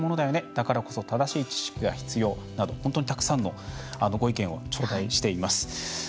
だからこそ正しい知識が必要」など本当にたくさんのご意見を頂戴しています。